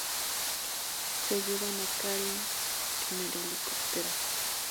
Se llevan a Karin en el helicóptero.